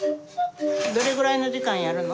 どれぐらいの時間やるの？